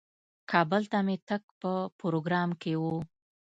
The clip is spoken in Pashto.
کابل ته مې تګ په پروګرام کې و.